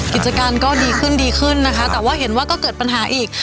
กิจการก็ดีขึ้นดีขึ้นนะคะแต่ว่าเห็นว่าก็เกิดปัญหาอีก